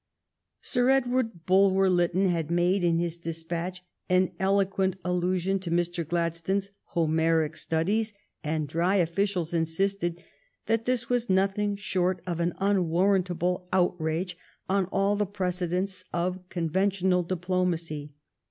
Sir Edward Bulwer Lytton had made in his despatch an eloquent allusion to Mr. Gladstone s Homeric studies, and dry officials insisted that this was nothing short of an unwarrantable out rage on all the precedents of conventional diplo macy.